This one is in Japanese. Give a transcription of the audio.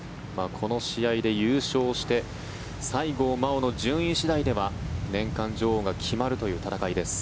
この試合で優勝して西郷真央の順位次第では年間女王が決まるという戦いです。